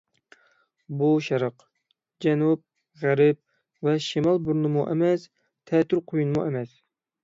بۇ شەرق، جەنۇب، غەرب ۋە شىمال بورىنىمۇ ئەمەس، تەتۈر قۇيۇنمۇ ئەمەس.